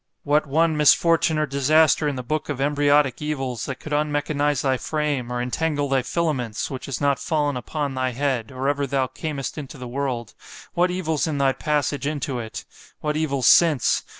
What one misfortune or disaster in the book of embryotic evils, that could unmechanize thy frame, or entangle thy filaments! which has not fallen upon thy head, or ever thou camest into the world——what evils in thy passage into it!——what evils since!